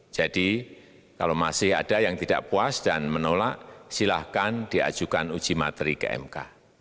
jadi kalau masih ada yang tidak puas dan menolak silakan diajukan uji materi ke mk